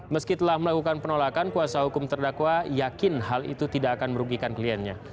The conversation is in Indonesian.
meski telah melakukan penolakan kuasa hukum terdakwa yakin hal itu tidak akan merugikan kliennya